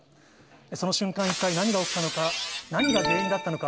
その瞬間、一体何が起きたのか、何が原因だったのか。